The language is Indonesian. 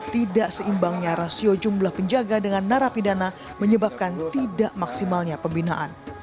tidak seimbangnya rasio jumlah penjaga dengan narapidana menyebabkan tidak maksimalnya pembinaan